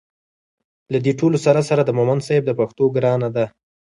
له دې ټولو سره سره د مومند صیب د پښتو ګرانه ده